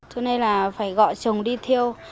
cho nên là phải gọi chồng đi theo